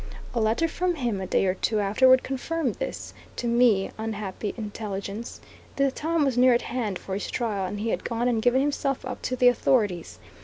A letter from him a day or two afterward confirmed this, to me, unhappy intelligence. The time was near at hand for his trial, and he had gone and given himself up to the authorities.